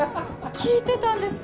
聞いてたんですか？